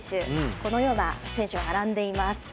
このような選手が並んでいます。